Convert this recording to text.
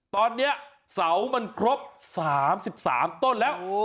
ตอนนี้เสามันครบสามสิบสามต้นแล้ว